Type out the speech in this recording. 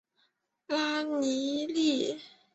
拉尼利。